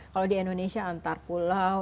kalau di indonesia antar pulau